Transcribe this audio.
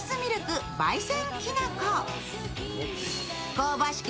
香ばしく